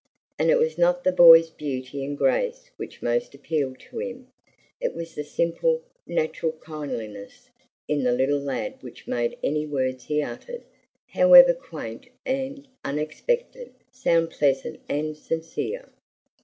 And it was not the boy's beauty and grace which most appealed to him; it was the simple, natural kindliness in the little lad which made any words he uttered, however quaint and unexpected, sound pleasant and sincere.